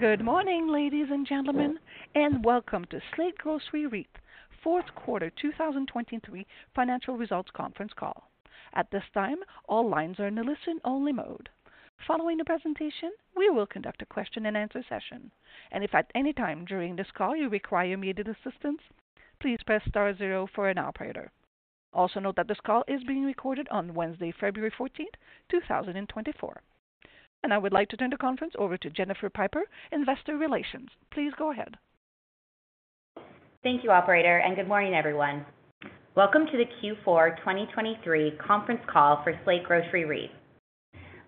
Good morning, ladies and gentlemen, and welcome to Slate Grocery REIT Q4 2023 financial results conference call. At this time, all lines are in a listen-only mode. Following the presentation, we will conduct a Q&A session, and if at any time during this call you require immediate assistance, please press star zero for an operator. Also note that this call is being recorded on Wednesday, February 14, 2024. I would like to turn the conference over to Jennifer Pyper, Investor Relations. Please go ahead. Thank you, operator, and good morning, everyone. Welcome to the Q4 2023 conference call for Slate Grocery REIT.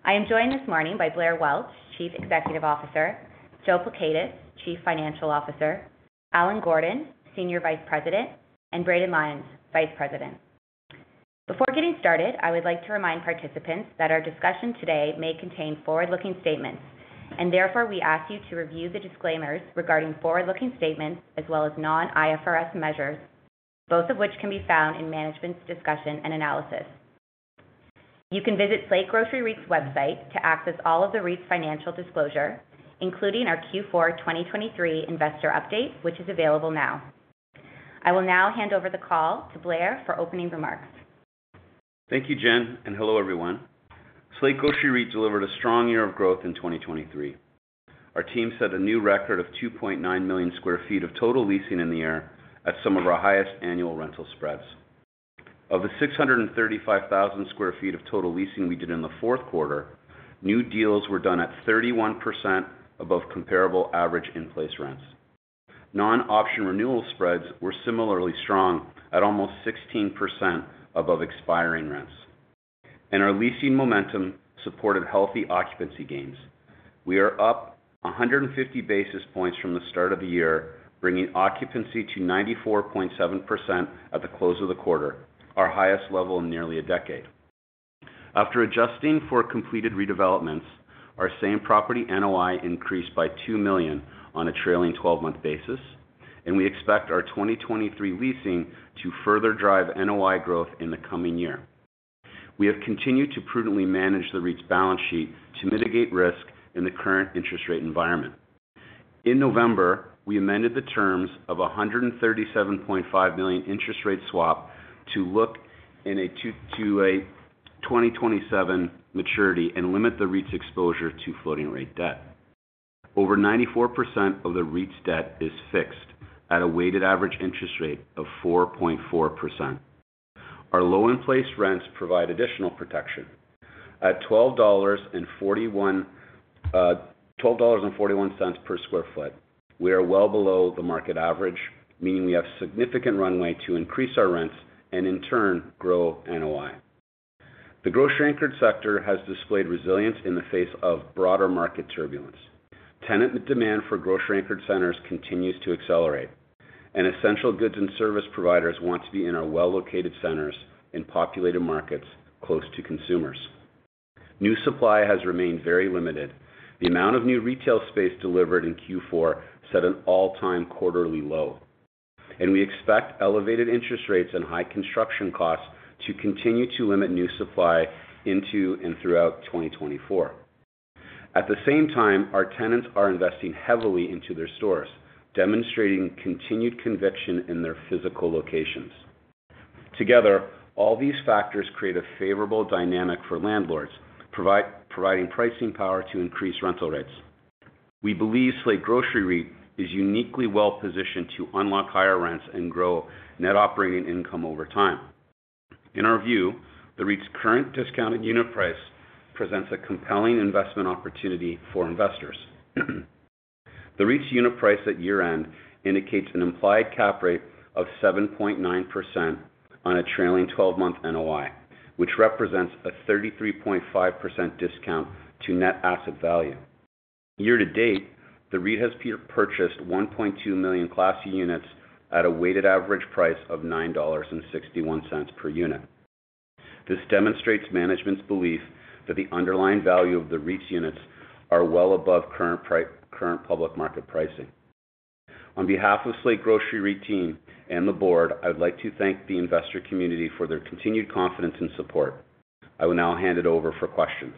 I am joined this morning by Blair Welch, Chief Executive Officer, Joe Pleckaitis, Chief Financial Officer, Allen Gordon, Senior Vice President, and Braden Lyons, Vice President. Before getting started, I would like to remind participants that our discussion today may contain forward-looking statements, and therefore we ask you to review the disclaimers regarding forward-looking statements as well as non-IFRS measures, both of which can be found in management's discussion and analysis. You can visit Slate Grocery REIT's website to access all of the REIT's financial disclosure, including our Q4 2023 investor update, which is available now. I will now hand over the call to Blair for opening remarks. Thank you, Jen, and hello, everyone. Slate Grocery REIT delivered a strong year of growth in 2023. Our team set a new record of 2.9 million sq ft of total leasing in the year at some of our highest annual rental spreads. Of the 635,000 sq ft of total leasing we did in the Q4, new deals were done at 31% above comparable average in-place rents. Non-option renewal spreads were similarly strong at almost 16% above expiring rents. Our leasing momentum supported healthy occupancy gains. We are up 150 basis points from the start of the year, bringing occupancy to 94.7% at the close of the quarter, our highest level in nearly a decade. After adjusting for completed redevelopments, our same property NOI increased by $2 million on a trailing 12-month basis, and we expect our 2023 leasing to further drive NOI growth in the coming year. We have continued to prudently manage the REIT's balance sheet to mitigate risk in the current interest rate environment. In November, we amended the terms of a $137.5 million interest rate swap to look to a 2027 maturity and limit the REIT's exposure to floating rate debt. Over 94% of the REIT's debt is fixed at a weighted average interest rate of 4.4%. Our low-in-place rents provide additional protection. At $12.41 per sq ft, we are well below the market average, meaning we have significant runway to increase our rents and, in turn, grow NOI. The grocery-anchored sector has displayed resilience in the face of broader market turbulence. Tenant demand for grocery-anchored centers continues to accelerate, and essential goods and service providers want to be in our well-located centers in populated markets close to consumers. New supply has remained very limited. The amount of new retail space delivered in Q4 set an all-time quarterly low. We expect elevated interest rates and high construction costs to continue to limit new supply into and throughout 2024. At the same time, our tenants are investing heavily into their stores, demonstrating continued conviction in their physical locations. Together, all these factors create a favorable dynamic for landlords, providing pricing power to increase rental rates. We believe Slate Grocery REIT is uniquely well-positioned to unlock higher rents and grow net operating income over time. In our view, the REIT's current discounted unit price presents a compelling investment opportunity for investors. The REIT's unit price at year-end indicates an implied cap rate of 7.9% on a trailing 12-month NOI, which represents a 33.5% discount to net asset value. Year to date, the REIT has purchased 1.2 million Class C units at a weighted average price of $9.61 per unit. This demonstrates management's belief that the underlying value of the REIT's units is well above current public market pricing. On behalf of Slate Grocery REIT team and the board, I would like to thank the investor community for their continued confidence and support. I will now hand it over for questions.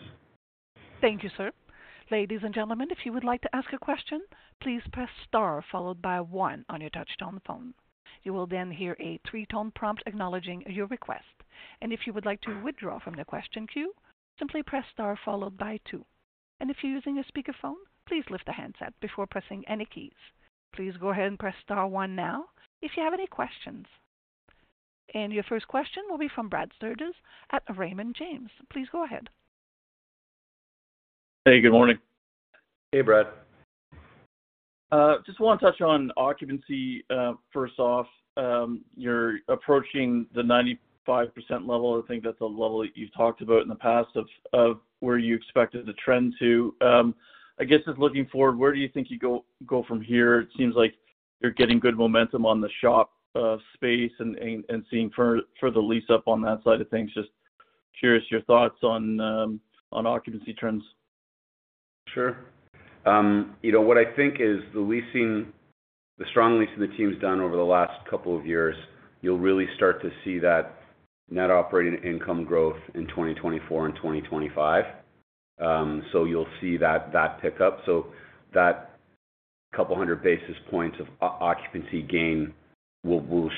Thank you, sir. Ladies and gentlemen, if you would like to ask a question, please press star followed by one on your touch-tone phone. You will then hear a three-tone prompt acknowledging your request. If you would like to withdraw from the question queue, simply press star followed by two. If you're using a speakerphone, please lift the handset before pressing any keys. Please go ahead and press star 1 now if you have any questions. Your first question will be from Brad Sturges at Raymond James. Please go ahead. Hey, good morning. Hey, Brad. Just want to touch on occupancy. First off, you're approaching the 95% level. I think that's a level that you've talked about in the past of where you expected the trend to. I guess just looking forward, where do you think you go from here? It seems like you're getting good momentum on the shop space and seeing further lease-up on that side of things. Just curious your thoughts on occupancy trends. Sure. What I think is the strong leasing the team's done over the last couple of years, you'll really start to see that net operating income growth in 2024 and 2025. So you'll see that pickup. So that 200 basis points of occupancy gain, you'll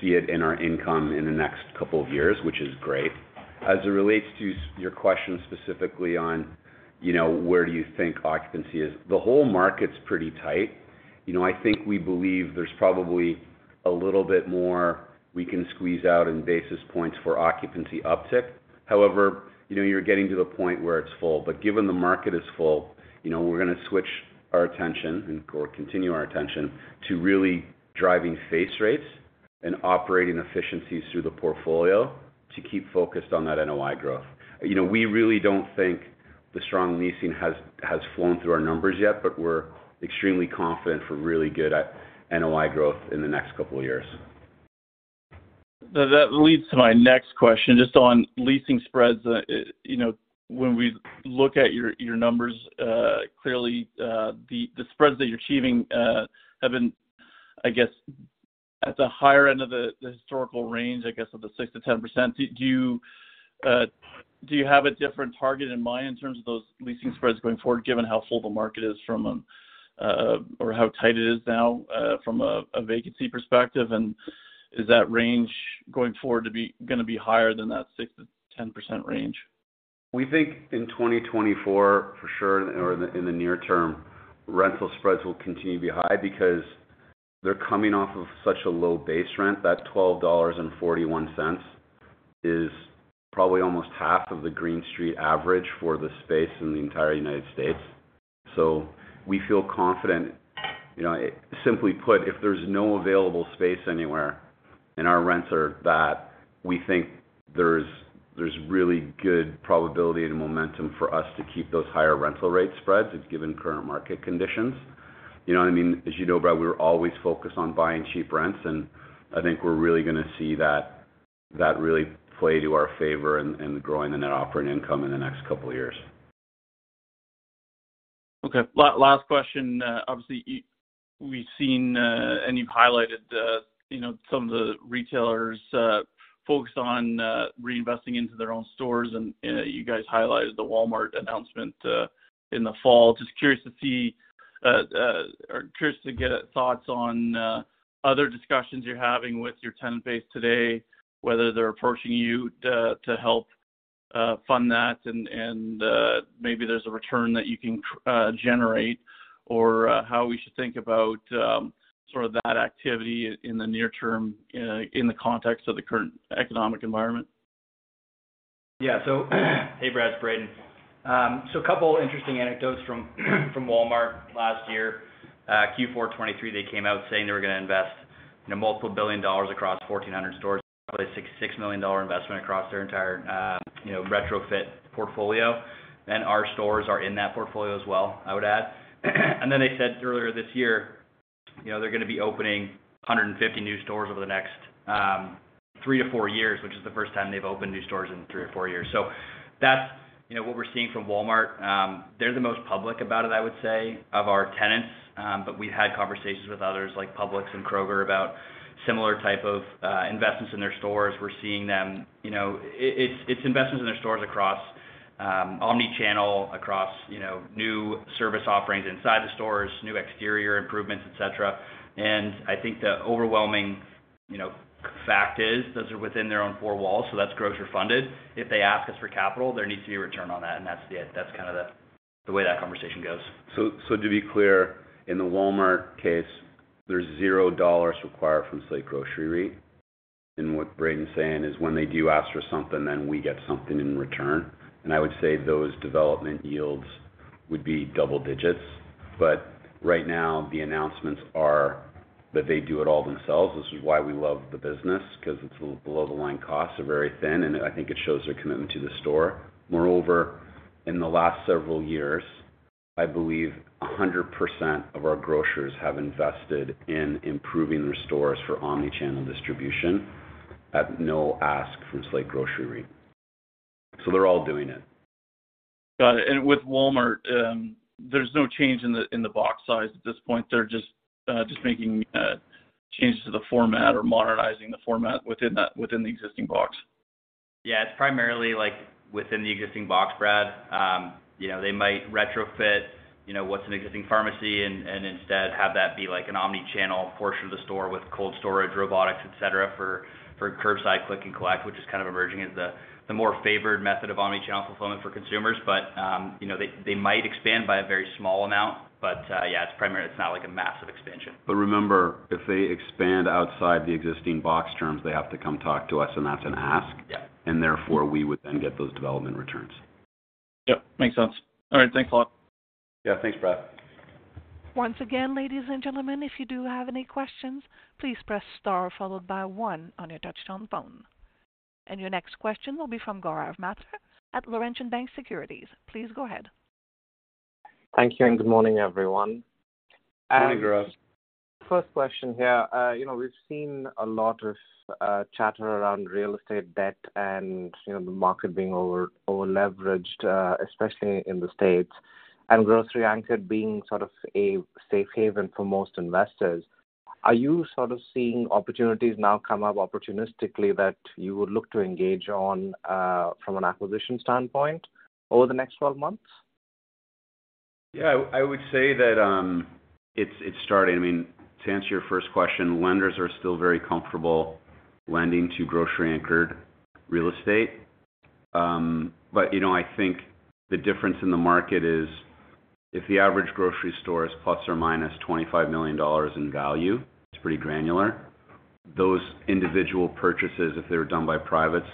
see it in our income in the next couple of years, which is great. As it relates to your question specifically on where do you think occupancy is, the whole market's pretty tight. I think we believe there's probably a little bit more we can squeeze out in basis points for occupancy uptick. However, you're getting to the point where it's full. But given the market is full, we're going to switch our attention or continue our attention to really driving face rates and operating efficiencies through the portfolio to keep focused on that NOI growth. We really don't think the strong leasing has flown through our numbers yet, but we're extremely confident for really good NOI growth in the next couple of years. That leads to my next question just on leasing spreads. When we look at your numbers, clearly the spreads that you're achieving have been, I guess, at the higher end of the historical range, I guess, of the 6%-10%. Do you have a different target in mind in terms of those leasing spreads going forward, given how full the market is from or how tight it is now from a vacancy perspective? And is that range going forward going to be higher than that 6%-10% range? We think in 2024, for sure, or in the near term, rental spreads will continue to be high because they're coming off of such a low base rent. That $12.41 is probably almost half of the Green Street average for the space in the entire United States. So we feel confident. Simply put, if there's no available space anywhere and our rents are that, we think there's really good probability and momentum for us to keep those higher rental rate spreads given current market conditions. I mean, as you know, Brad, we were always focused on buying cheap rents, and I think we're really going to see that really play to our favor in growing the net operating income in the next couple of years. Okay. Last question. Obviously, we've seen and you've highlighted some of the retailers focused on reinvesting into their own stores, and you guys highlighted the Walmart announcement in the fall. Just curious to see or curious to get thoughts on other discussions you're having with your tenant base today, whether they're approaching you to help fund that, and maybe there's a return that you can generate, or how we should think about sort of that activity in the near term in the context of the current economic environment? Yeah. So hey, Brad, it's Braden. So a couple of interesting anecdotes from Walmart last year. Q4 2023, they came out saying they were going to invest $ multiple billion across 1,400 stores, probably a $6 million investment across their entire retrofit portfolio. And our stores are in that portfolio as well, I would add. And then they said earlier this year, they're going to be opening 150 new stores over the next three or four years, which is the first time they've opened new stores in three or four years. So that's what we're seeing from Walmart. They're the most public about it, I would say, of our tenants. But we've had conversations with others like Publix and Kroger about similar type of investments in their stores. We're seeing them. It's investments in their stores across omnichannel, across new service offerings inside the stores, new exterior improvements, etc. And I think the overwhelming fact is those are within their own four walls, so that's grocer funded. If they ask us for capital, there needs to be a return on that, and that's kind of the way that conversation goes. So to be clear, in the Walmart case, there's $0 required from Slate Grocery REIT. And what Braden's saying is when they do ask for something, then we get something in return. And I would say those development yields would be double digits. But right now, the announcements are that they do it all themselves. This is why we love the business, because it's below-the-line costs are very thin, and I think it shows their commitment to the store. Moreover, in the last several years, I believe 100% of our grocers have invested in improving their stores for omnichannel distribution at no ask from Slate Grocery REIT. So they're all doing it. Got it. And with Walmart, there's no change in the box size at this point. They're just making changes to the format or modernizing the format within the existing box. Yeah, it's primarily within the existing box, Brad. They might retrofit what's an existing pharmacy and instead have that be an omnichannel portion of the store with cold storage, robotics, etc. for curbside click and collect, which is kind of emerging as the more favored method of omnichannel fulfillment for consumers. But they might expand by a very small amount. But yeah, it's not a massive expansion. Remember, if they expand outside the existing box terms, they have to come talk to us, and that's an ask. Therefore, we would then get those development returns. Yep, makes sense. All right, thanks a lot. Yeah, thanks, Brad. Once again, ladies and gentlemen, if you do have any questions, please press star followed by one on your touch-tone phone. Your next question will be from Gaurav Mathur at Laurentian Bank Securities. Please go ahead. Thank you and good morning, everyone. Hey, Gaurav. First question here. We've seen a lot of chatter around real estate debt and the market being over-leveraged, especially in the States, and grocery-anchored being sort of a safe haven for most investors. Are you sort of seeing opportunities now come up opportunistically that you would look to engage on from an acquisition standpoint over the next 12 months? Yeah, I would say that it's starting. I mean, to answer your first question, lenders are still very comfortable lending to grocery-anchored real estate. But I think the difference in the market is if the average grocery store is ±$25 million in value, it's pretty granular. Those individual purchases, if they're done by privates,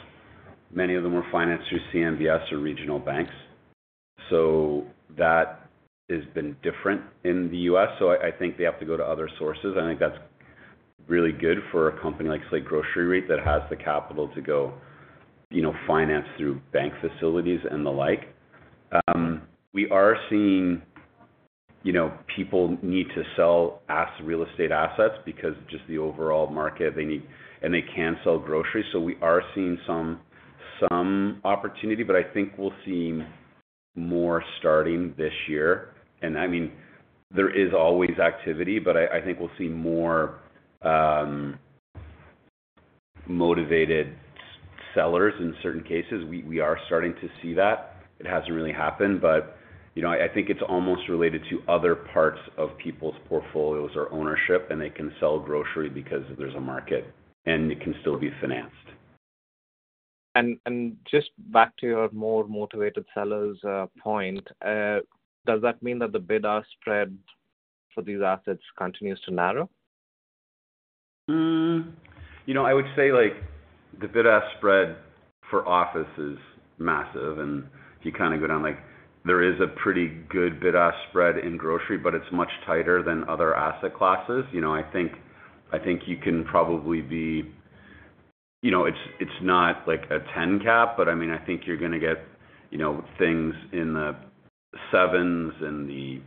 many of them are financed through CMBS or regional banks. So that has been different in the U.S. So I think they have to go to other sources. I think that's really good for a company like Slate Grocery REIT that has the capital to go finance through bank facilities and the like. We are seeing people need to sell real estate assets because just the overall market, and they can sell groceries. So we are seeing some opportunity, but I think we'll see more starting this year. And I mean, there is always activity, but I think we'll see more motivated sellers in certain cases. We are starting to see that. It hasn't really happened, but I think it's almost related to other parts of people's portfolios or ownership, and they can sell grocery because there's a market, and it can still be financed. Just back to your more motivated sellers point, does that mean that the bid-ask spread for these assets continues to narrow? I would say the bid-ask spread for office is massive. If you kind of go down, there is a pretty good bid-ask spread in grocery, but it's much tighter than other asset classes. I think you can probably be it's not a 10 cap, but I mean, I think you're going to get things in the 7s and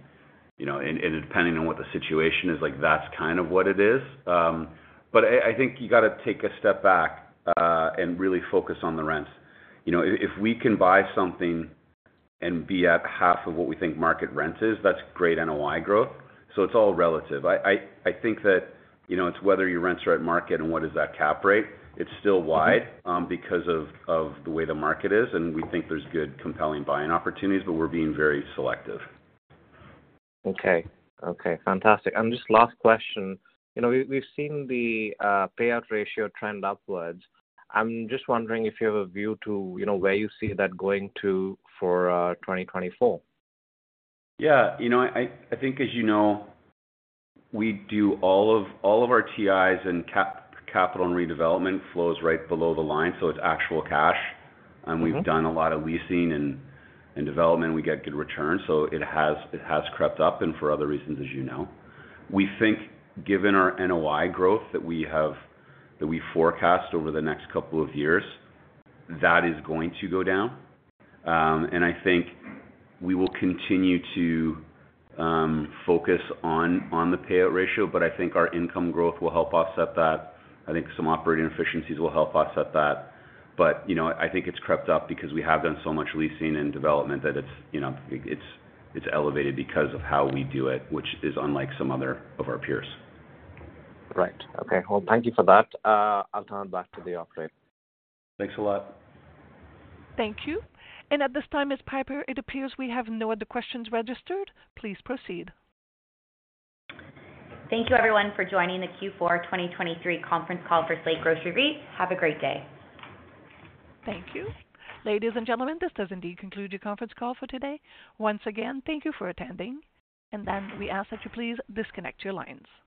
depending on what the situation is, that's kind of what it is. But I think you got to take a step back and really focus on the rents. If we can buy something and be at half of what we think market rent is, that's great NOI growth. So it's all relative. I think that it's whether your rents are at market and what is that cap rate. It's still wide because of the way the market is, and we think there's good compelling buying opportunities, but we're being very selective. Okay. Okay, fantastic. And just last question. We've seen the payout ratio trend upwards. I'm just wondering if you have a view to where you see that going to for 2024? Yeah. I think, as you know, we do all of our TIs and capital and redevelopment flows right below the line. So it's actual cash. And we've done a lot of leasing and development. We get good returns. So it has crept up and for other reasons, as you know. We think, given our NOI growth that we forecast over the next couple of years, that is going to go down. And I think we will continue to focus on the payout ratio, but I think our income growth will help offset that. I think some operating efficiencies will help offset that. But I think it's crept up because we have done so much leasing and development that it's elevated because of how we do it, which is unlike some other of our peers. Great. Okay. Well, thank you for that. I'll turn it back to the operator. Thanks a lot. Thank you. And at this time, Ms. Pyper, it appears we have no other questions registered. Please proceed. Thank you, everyone, for joining the Q4 2023 conference call for Slate Grocery REIT. Have a great day. Thank you. Ladies and gentlemen, this does indeed conclude your conference call for today. Once again, thank you for attending. And then we ask that you please disconnect your lines.